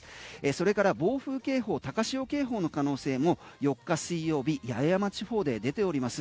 それから暴風警報、高潮警報の可能性も４日、水曜日、八重山地方で出ております。